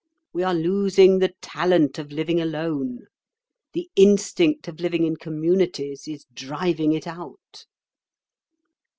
We are losing the talent of living alone; the instinct of living in communities is driving it out."